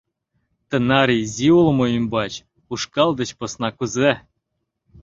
— Тынар изи улмо ӱмбач ушкал деч посна кузе?